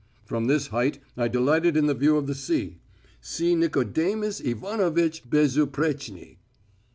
"From this height I delighted in the view of the sea. C. NICODEMUS IVANOVITCH BEZUPRECHNY."